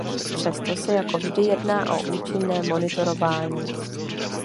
Přesto se jako vždy jedná o účinné monitorování.